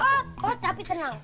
ah ah tapi tenang